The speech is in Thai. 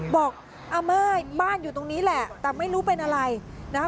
บอกอาม่ายบ้านอยู่ตรงนี้แหละแต่ไม่รู้เป็นอะไรนะคะ